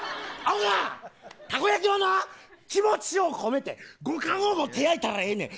たこ焼きは気持ちを込めて五感をもって焼いたらええねん。